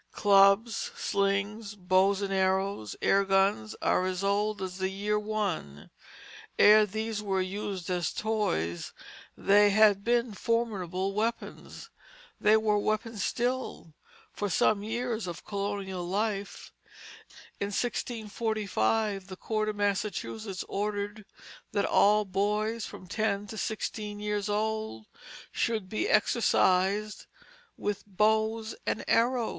Clubs, slings, bows and arrows, air guns, are as old as the year One. Ere these were used as toys, they had been formidable weapons. They were weapons still, for some years of colonial life. In 1645 the court of Massachusetts ordered that all boys from ten to sixteen years old should be exercised with bows and arrows.